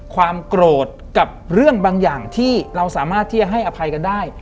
ความโกรธกับเรื่องบางอย่างที่เราสามารถที่จะให้อภัยกันได้